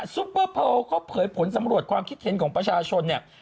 ซุปเปอร์โพลเขาเผยผลสำรวจความคิดเห็นของประชาชนเนี่ย